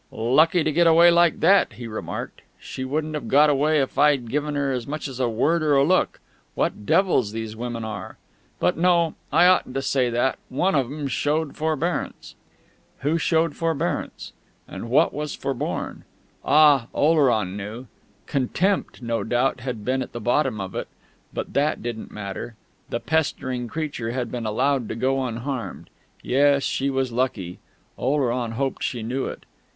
"Lucky to get away like that," he remarked. "She wouldn't have got away if I'd given her as much as a word or a look! What devils these women are!... But no; I oughtn't to say that; one of 'em showed forbearance...." Who showed forbearance? And what was forborne? Ah, Oleron knew!... Contempt, no doubt, had been at the bottom of it, but that didn't matter: the pestering creature had been allowed to go unharmed. Yes, she was lucky; Oleron hoped she knew it....